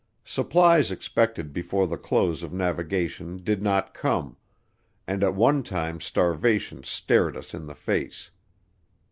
Supplies expected before the close of navigation did not come, and at one time starvation stared us in the face.